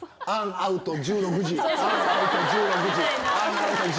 杏アウト１６時。